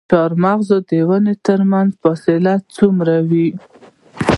د چهارمغز د ونو ترمنځ فاصله څومره وي؟